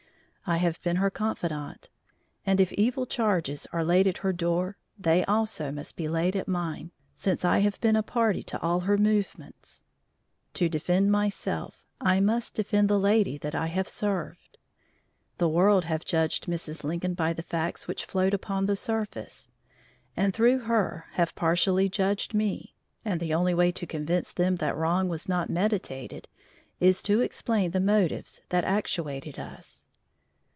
I have been her confidante, and if evil charges are laid at her door, they also must be laid at mine, since I have been a party to all her movements. To defend myself I must defend the lady that I have served. The world have judged Mrs. Lincoln by the facts which float upon the surface, and through her have partially judged me, and the only way to convince them that wrong was not meditated is to explain the motives that actuated us.